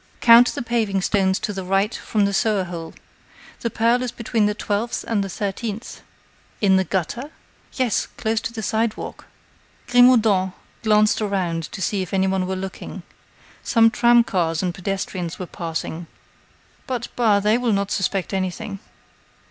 "Count the paving stones to the right from the sewer hole. The pearl is between the twelfth and thirteenth." "In the gutter?" "Yes, close to the sidewalk." Grimaudan glanced around to see if anyone were looking. Some tram cars and pedestrians were passing. But, bah, they will not suspect anything.